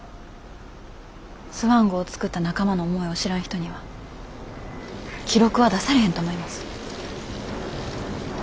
スワン号作った仲間の思いを知らん人には記録は出されへんと思います。